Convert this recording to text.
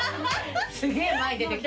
すげえ前出てきて。